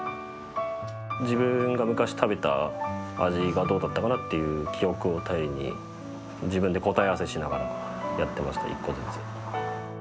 自分が昔食べた味がどうだったかなっていう記憶を頼りに、自分で答え合わせしながらやってました、一個ずつ。